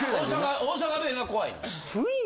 大阪弁が怖いの？